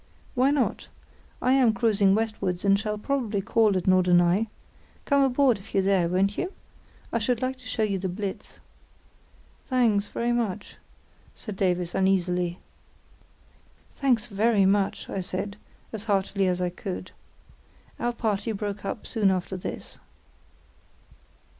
"Why not? I am cruising westwards, and shall probably call at Norderney. Come aboard if you're there, won't you? I should like to show you the Blitz." "Thanks, very much," said Davies, uneasily. "Thanks, very much," said I, as heartily as I could. Our party broke up soon after this.